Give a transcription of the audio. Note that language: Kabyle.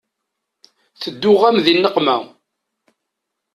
Tedduɣ-am di nneqma.